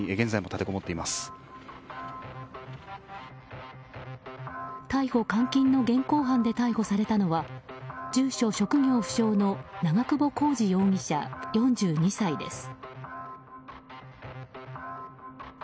逮捕監禁の現行犯で逮捕されたのは住所職業不詳の長久保浩二容疑者、４２歳です。